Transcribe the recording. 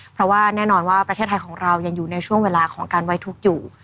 เพราะว่าแน่นอนว่าประเทศไทยของเรายังอยู่ในช่วงเวลาของการไว้ทุกข์อยู่